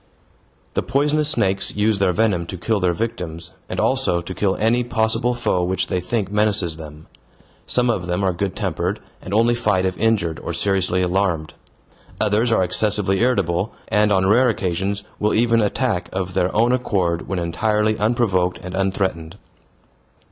The poisonous snakes use their venom to kill their victims, and also to kill any possible foe which they think menaces them. Some of them are good tempered, and only fight if injured or seriously alarmed. Others are excessively irritable, and on rare occasions will even attack of their own accord when entirely unprovoked and unthreatened.